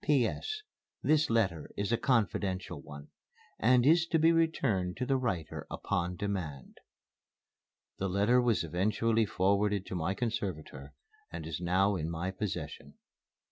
"P.S. This letter is a confidential one and is to be returned to the writer upon demand." The letter was eventually forwarded to my conservator and is now in my possession.